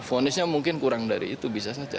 fonisnya mungkin kurang dari itu bisa saja